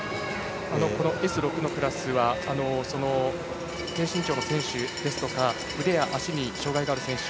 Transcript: Ｓ６のクラスは低身長の選手ですとか腕や足に障がいがある選手